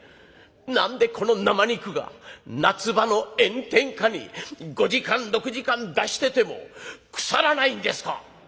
「何でこの生肉が夏場の炎天下に５時間６時間出してても腐らないんですか？」。